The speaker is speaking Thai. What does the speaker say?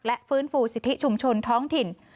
และฟื้นฟูสิทธิชุมชนท้องถิ่น